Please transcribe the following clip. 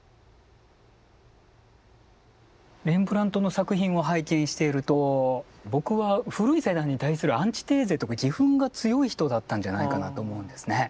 レンブラントの作品を拝見していると僕は古い世代に対するアンチテーゼとか義憤が強い人だったんじゃないかなと思うんですね。